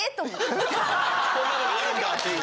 こんなのがあるんだっていう。